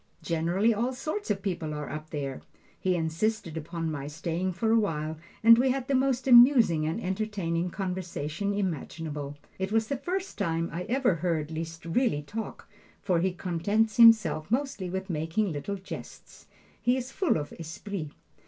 Generally all sorts of people are up there. He insisted upon my staying for a while, and we had the most amusing and entertaining conversation imaginable. It was the first time I ever heard Liszt really talk, for he contents himself mostly with making little jests. He is full of esprit.